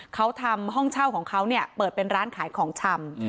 เขาทำห้องเช่าของเขาเนี่ยเปิดเป็นร้านขายของชำ